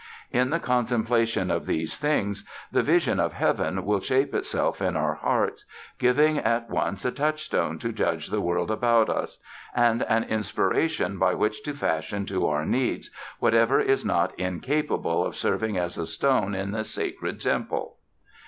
In the contemplation of these things the vision of heaven will shape itself in our hearts, giving at once a touchstone to judge the world about us, and an inspiration by which to fashion to our needs whatever is not incapable of serving as a stone in the sacred temple.